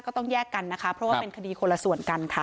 ก็ต้องแยกกันนะคะเพราะว่าเป็นคดีคนละส่วนกันค่ะ